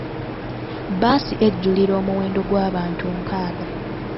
Bbaasi ejjulira omuwendo gw'abantu nkaaga.